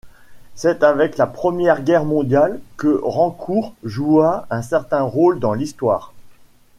C'est avec la Première Guerre mondiale que Rancourt joua un certain rôle dans l'histoire.